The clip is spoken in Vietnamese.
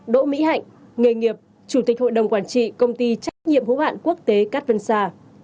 đỗ mỹ hạnh nghề nghiệp chủ tịch hội đồng quản trị công ty trách nhiệm hữu hạn quốc tế cát vân sa